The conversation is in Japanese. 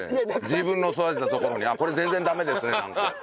自分の育てたところにこれ全然ダメですねなんて。